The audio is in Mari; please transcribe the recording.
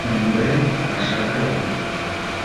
Ынде паша кая!